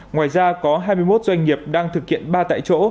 ngoài ra có hai mươi một doanh nghiệp đang thực hiện ba tại chỗ